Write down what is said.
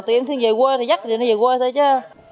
tụi em về quê thì dắt tụi nó về quê thôi chứ